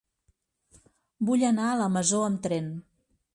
Vull anar a la Masó amb tren.